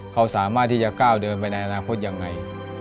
เขาสามารถที่จะก้าวเดินไปในอนาคตยังไง